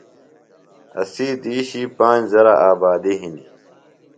اسی دِیشی پانج ذرہ آبادیۡ ہنیۡ۔